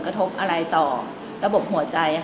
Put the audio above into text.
กระทบอะไรต่อระบบหัวใจ